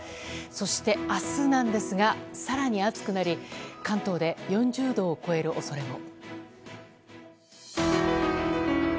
そして、明日なんですが更に暑くなり関東で４０度を超える恐れも。